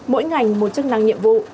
mỗi ngành một chức năng nhiệm vụ